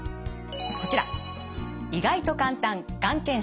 こちら。